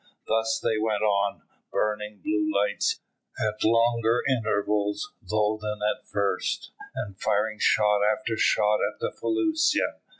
Thus they went on, burning blue lights, at longer intervals though than at first, and firing shot after shot at the felucca.